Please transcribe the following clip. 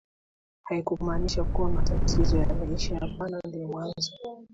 haikumaanisha kuwa matatizo yameisha hapana ndio mwanzo